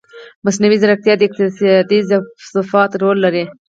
مصنوعي ځیرکتیا د اقتصادي ثبات رول لري.